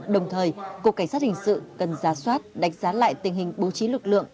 đồng thời cục cảnh sát hình sự cần ra soát đánh giá lại tình hình bố trí lực lượng